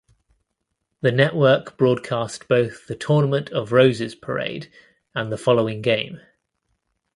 The network broadcast both the Tournament of Roses Parade and the following game.